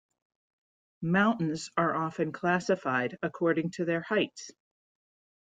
Mountains are often classified according to their heights.